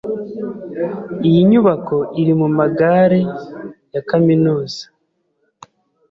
Iyi nyubako iri mumagare ya kaminuza.